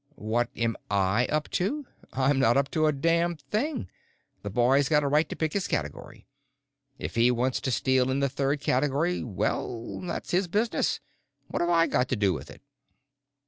"What am I up to? I'm not up to a damn thing. The boy's got a right to pick his category. If he wants to steal in the third category, well, that's his business. What have I got to do with it?"